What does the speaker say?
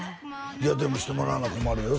いやでもしてもらわな困るよ